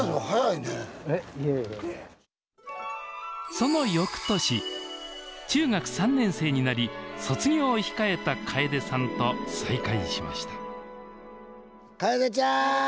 そのよくとし中学３年生になり卒業を控えた楓さんと再会しました楓ちゃん！